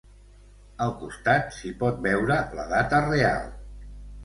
Al costat s'hi pot veure la data real.